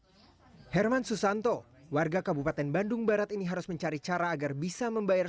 hai herman susanto warga kabupaten bandung barat ini harus mencari cara agar bisa membayar